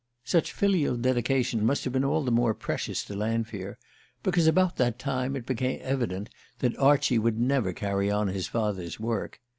Such filial dedication must have been all the more precious to Lanfear because, about that time, it became evident that Archie would never carry on his father's work.